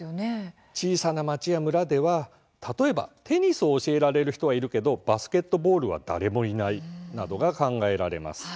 小さな町や村では、例えばテニスを教えられる人はいるけどバスケットボールは誰もいないなどが考えられます。